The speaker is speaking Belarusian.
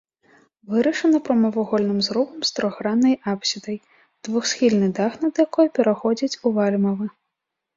Вырашана прамавугольным зрубам з трохграннай апсідай, двухсхільны дах над якой пераходзіць у вальмавы.